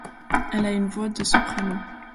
Elle a une voix de soprano.